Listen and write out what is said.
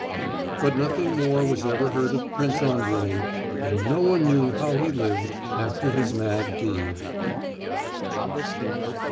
But nothing more was ever heard of Prince Andrey, and no one knew how he lived after his mad deed.